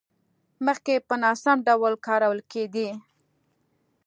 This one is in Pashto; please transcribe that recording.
مخکې په ناسم ډول کارول کېدې.